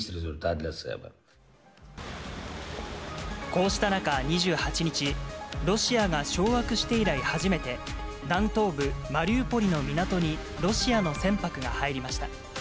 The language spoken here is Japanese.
こうした中、２８日、ロシアが掌握して以来初めて、南東部マリウポリの港にロシアの船舶が入りました。